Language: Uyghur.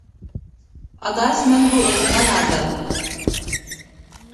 -ئاداش، مەن بۇ ئوقۇمىغان ئادەم.